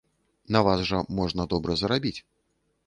На вас жа можна добра зарабіць.